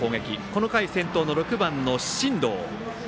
この回、先頭の６番の進藤。